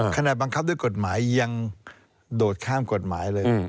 บังคับด้วยกฎหมายยังโดดข้ามกฎหมายเลย